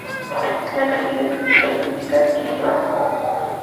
La canción ha recibido críticas muy positivas.